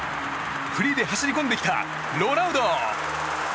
フリーで走り込んできたロナウド！